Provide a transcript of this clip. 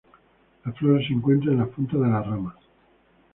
Las flores se encuentran en las puntas de las ramas.